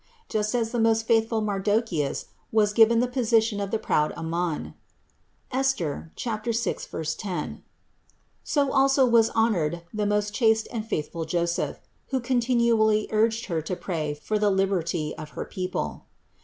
Just as the most faithful Mardocheus was given the position of the proud Aman (Esther 6, 10) ; so also was honored the most chaste and faithful Joseph, who continually urged Her to pray for the liberty of her people.